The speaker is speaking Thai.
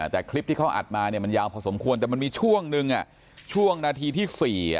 แต่คลิปที่เขาอัดมามันยาวพอสมควรแต่มันมีช่วงนึงช่วงนาทีที่๔